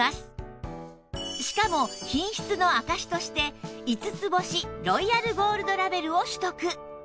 しかも品質の証しとして５つ星ロイヤルゴールドラベルを取得